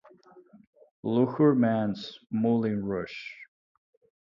Luhrmann's Moulin Rouge!